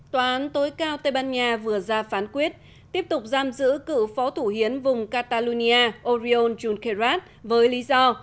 tòa án tối cao tây ban nha vừa ra phán quyết tiếp tục giam giữ cựu phó thủ hiến vùng catalonia orion john kerrat với lý do